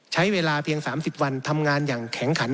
ใช้เวลาเพียง๓๐วันทำงานอย่างแข็งขัน